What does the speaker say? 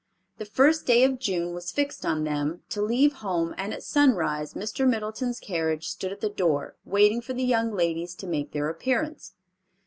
The first day of June was fixed on for them to leave home and at sunrise Mr. Middleton's carriage stood at the door, waiting for the young ladies to make their appearance.